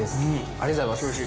ありがとうございます。